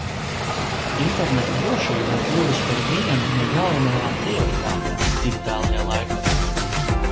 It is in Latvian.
Interneta drošība ir kļuvusi par vienu no galvenajām prioritātēm digitālajā laikmetā.